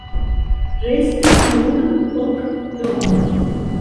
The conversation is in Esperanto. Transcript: Restis nur ok domoj.